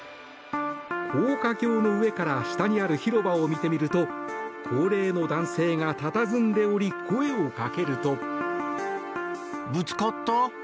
高架橋の上から下にある広場を見てみると高齢の男性が佇んでおり声をかけると。